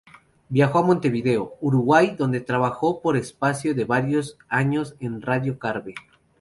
Viajó a Montevideo, Uruguay donde trabajó por espacio de varios años en Radio Carve.